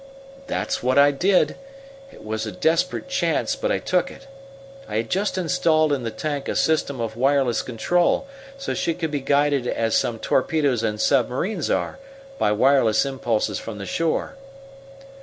"That's what I did. It was a desperate chance, but I took it. I had just installed in the tank a system of wireless control, so she could be guided as some torpedos and submarines are, by wireless impulses from the shore.